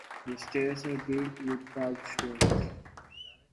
The stairs are built with carved stones.